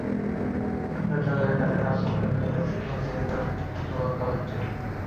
তবে যাঁরা এখানে কাজ করছেন, তাঁদের জীবন-জীবিকার দিকেও লক্ষ রাখতে হবে।